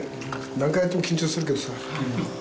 何回やっても緊張するけどさ。